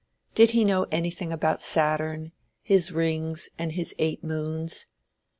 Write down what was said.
Did he know anything about Saturn, his rings and his eight moons?